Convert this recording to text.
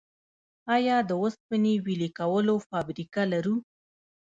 آیا د وسپنې ویلې کولو فابریکه لرو؟